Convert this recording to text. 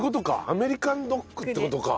アメリカンドッグって事か。